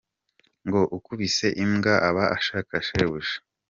Ngo “ukubise imbwa aba ashaka shebuja”